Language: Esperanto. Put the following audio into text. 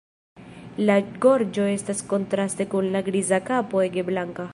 La gorĝo estas kontraste kun la griza kapo ege blanka.